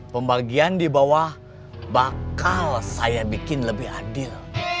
pembagian di bawah bakal saya bikin lebih adil